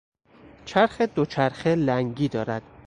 چرخ دوچرخه لنگی دارد.